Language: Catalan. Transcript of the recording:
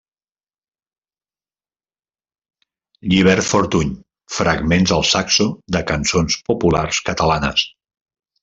Llibert Fortuny: fragments al saxo de cançons populars catalanes.